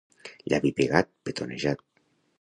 Llavi pigat, petonejat.